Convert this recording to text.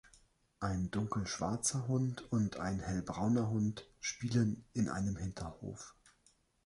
Ein dunkelschwarzer Hund und ein hellbrauner Hund spielen in einem Hinterhof.